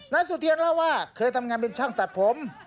สุเทียนเล่าว่าเคยทำงานเป็นช่างตัดผม